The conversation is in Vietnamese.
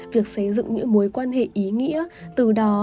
việc xây dựng những mối quan hệ ý nghĩa từ đó